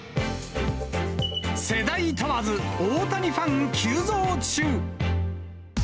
世代問わず大谷ファン急増中！